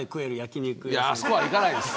あそこは行かないです。